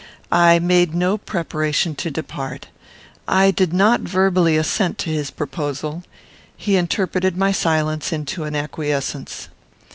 I made no preparation to depart. I did not verbally assent to his proposal. He interpreted my silence into acquiescence.